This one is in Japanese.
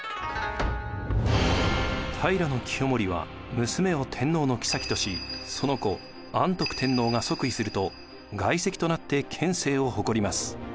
平清盛は娘を天皇のきさきとしその子安徳天皇が即位すると外戚となって権勢を誇ります。